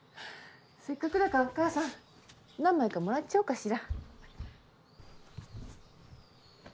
せっかくだからお母さん何枚かもらっちゃおうかしら。